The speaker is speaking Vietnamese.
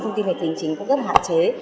thông tin hệ tính chính cũng rất là hạn chế